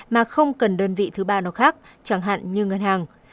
mà không cần đơn vị thứ ba nào khác chẳng hạn như ngân hàng